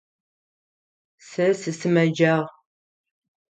Сэ сысымэджагъ.